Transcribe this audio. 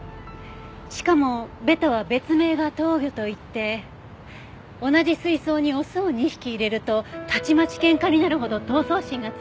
しかもベタは別名が闘魚といって同じ水槽にオスを２匹入れるとたちまち喧嘩になるほど闘争心が強い。